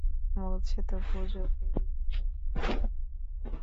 বলছে তো পুজো পেরিয়ে আসবে।